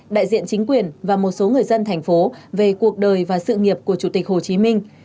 đại diện chính quyền và một số người dân thành phố về cuộc đời và sự nghiệp của chủ tịch hồ chí minh